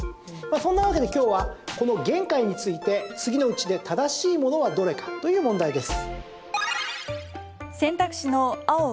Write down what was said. そんなわけで今日はこの「言海」について次のうちで正しいものはどれか？という問題です。